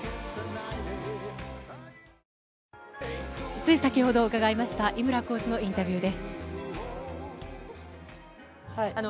つい先ほど伺いました、井村コーチのインタビューです。